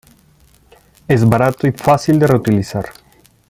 Es barato y fácil de reutilizar.